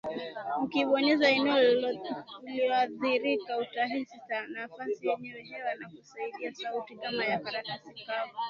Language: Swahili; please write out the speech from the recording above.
Ukibonyeza eneo lililoathirika utahisi nafasi yenye hewa na kusikia sauti kama ya karatasi kavu